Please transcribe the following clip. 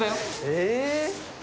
え！？